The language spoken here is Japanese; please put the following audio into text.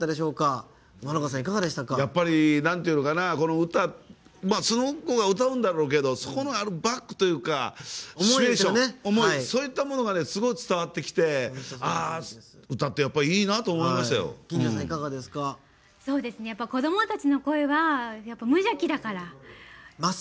やっぱり、歌その子が歌うんだろうけどそこのバックというか、思いシチュエーションとかそういったものがすごい伝わってきてああ、歌ってやっぱりいいなって子どもたちの声は無邪気だから。